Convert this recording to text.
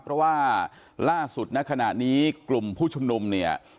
เพราะว่าล่าสุดณขณะนี้กลุ่มผู้ชุมนุมเนี่ย